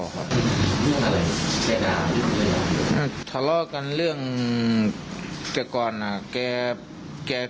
คุณต้องการรู้สิทธิ์ของเขา